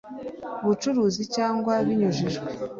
Bucuruzi cyangwa binyujijwe